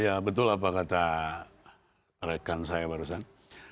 ya betul apa kata rekan saya barusan